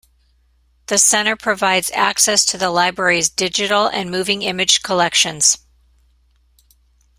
The centre provides access to the Library's digital and moving image collections.